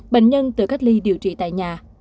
bệnh nhân tự cách ly điều trị tại nhà